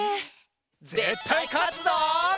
ぜったいかつぞ！